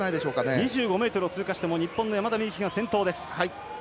２５ｍ通過しても日本の山田美幸が先頭。